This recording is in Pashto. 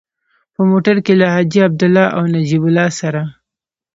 په موټر کې له حاجي عبدالله او نجیب الله سره.